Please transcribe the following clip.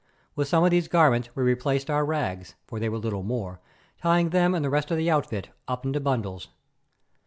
With some of these garments we replaced our rags, for they were little more, tying them and the rest of the outfit up into bundles.